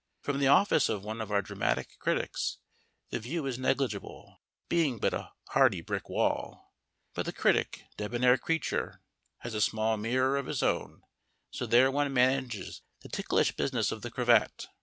From the office of one of our dramatic critics the view is negligible (being but a hardy brick wall), but the critic, debonair creature, has a small mirror of his own, so there one manages the ticklish business of the cravat.